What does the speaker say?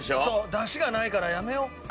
出汁がないからやめよっか。